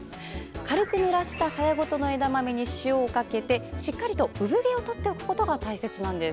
軽くぬらしたさやごとの枝豆に塩をかけてしっかり産毛を取っておくことが大切なんです。